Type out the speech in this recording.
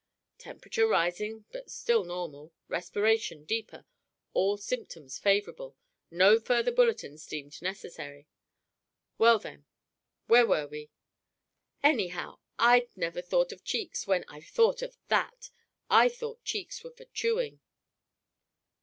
(Temperature rising but still normal. Respiration deeper. All symptoms favorable. No further bulletins deemed necessary.) Well, then? Where were we?" "Anyhow, I've never thought of cheeks when I've thought of that; I thought cheeks were for chewing."